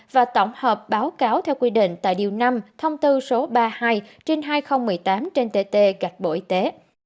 và tổng hợp báo cáo theo quy định tại điều năm thông tư số ba mươi hai trên hai nghìn một mươi tám trên tt gạch bộ y tế